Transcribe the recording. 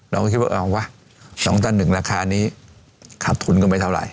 เราก็คิดว่า๒ตั้น๑ราคานี้ขาดทุนกันไปเท่าไหร่